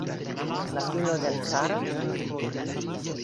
La filo de l' caro?